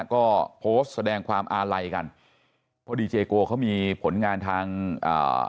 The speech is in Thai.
ก็โพสต์แสดงความอาลัยกันเพราะดีเจโกเขามีผลงานทางอ่า